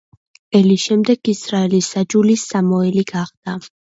ელის შემდეგ ისრაელის მსაჯული სამოელი გახდა.